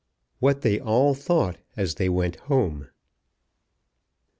WHAT THEY ALL THOUGHT AS THEY WENT HOME.